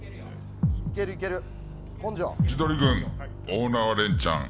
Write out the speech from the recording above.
千鳥軍、大縄レンチャン